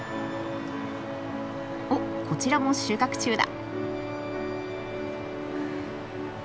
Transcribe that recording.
おっこちらも収穫中だ。